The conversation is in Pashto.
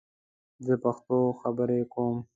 زه پښتو خبرې کوم